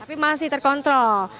tapi masih terkontrol